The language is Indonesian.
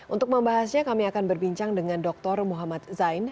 untuk membahasnya kami akan berbincang dengan dr muhammad zain